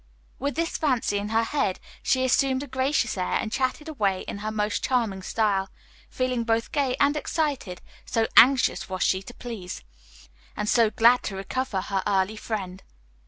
With this fancy in her head she assumed a gracious air and chatted away in her most charming style, feeling both gay and excited, so anxious was she to please, and so glad to recover her early friend.